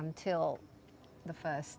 panggilan pertama terbang